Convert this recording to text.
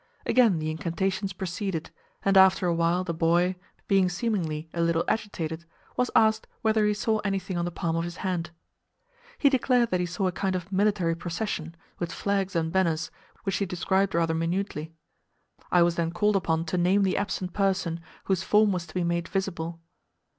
Again the incantations proceeded, and after a while the boy, being seemingly a little agitated, was asked whether he saw anything on the palm of his hand. He declared that he saw a kind of military procession, with flags and banners, which he described rather minutely. I was then called upon to name the absent person whose form was to be made visible.